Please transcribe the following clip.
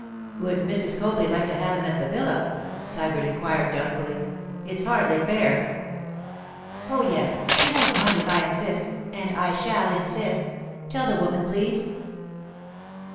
'Would Mrs. Copley like to have him at the villa?' Sybert inquired doubtfully. 'It's hardly fair——' 'Oh, yes. She won't mind if I insist—and I shall insist. Tell the woman, please.